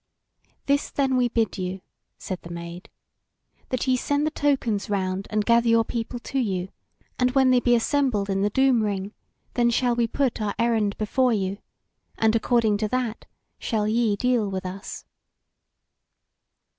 "This then we bid you," said the Maid, "that ye send the tokens round and gather your people to you, and when they be assembled in the Doom ring, then shall we put our errand before you; and according to that, shall ye deal with us."